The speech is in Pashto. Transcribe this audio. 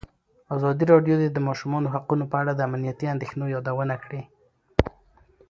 ازادي راډیو د د ماشومانو حقونه په اړه د امنیتي اندېښنو یادونه کړې.